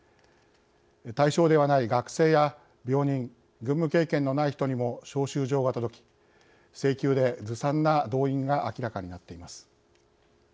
対象ではない学生や病人軍務経験のない人にも招集状が届き性急で、ずさんな動員が明らかになっています。